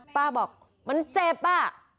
ป้าบอกมันเจ็บอ่ะ